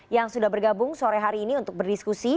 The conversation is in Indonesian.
yang sudah bergabung sore hari ini untuk berdiskusi